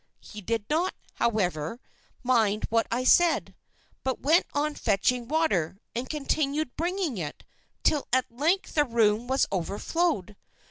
He did not, however, mind what I said; but went on fetching water, and continued bringing it, till at length the room was overflowed.